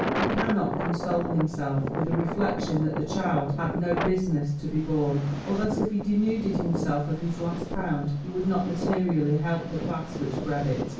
He cannot console himself with a reflection that the child had no business to be born, or that if he denuded himself of his last pound he would not materially help the class which bred it.